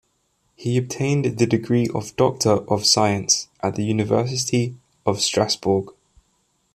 He obtained the degree of Doctor of Science at the University of Strasbourg.